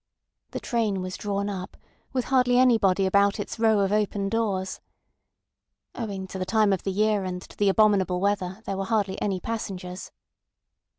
The train was drawn up, with hardly anybody about its row of open doors. Owing to the time of the year and to the abominable weather there were hardly any passengers.